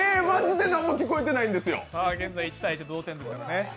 現在、１−１の同点ですからね。